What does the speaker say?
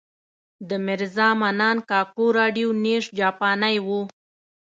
د میرزا منان کاکو راډیو نېشن جاپانۍ وه.